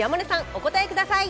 お答えください。